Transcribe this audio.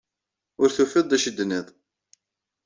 Ur tufiḍ d acu i d-tenniḍ.